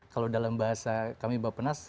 kalau dalam bahasa kami bapenas